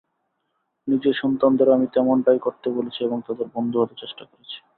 নিজের সন্তানদেরও আমি তেমনটাই করতে বলেছি এবং তাদের বন্ধু হতে চেষ্টা করেছি।